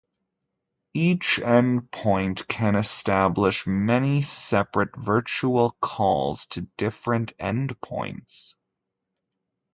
Each endpoint can establish many separate virtual calls to different endpoints.